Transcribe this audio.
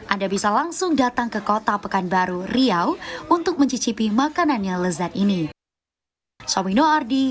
anda bisa langsung datang ke kota pekanbaru riau untuk mencicipi makanan yang lezat ini